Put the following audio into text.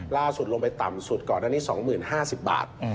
ลงไปต่ำสุดก่อนอันนี้๒๐๕๐บาท